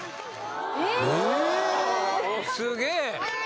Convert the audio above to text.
すげえ！